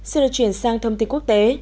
xin được chuyển sang thông tin quốc tế